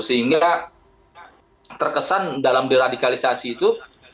sehingga terkesan dalam deradikalisasi itu